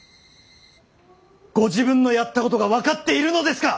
ご自分のやったことが分かっているのですか！